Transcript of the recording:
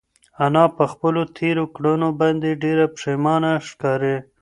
انا په خپلو تېرو کړنو باندې ډېره پښېمانه ښکاري.